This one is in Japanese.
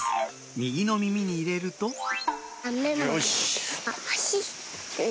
右の耳に入れるとよし。